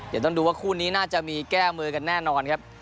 เดี๋ยวต้องดูว่าคู่นี้น่าจะมีแก้มือกันแน่นอนครับ